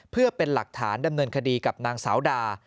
เพื่อเป็นหลักฐานดำเนินคดีกับนางสาวดา